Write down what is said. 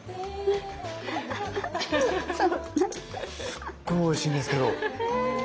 すっごいおいしいんですけど。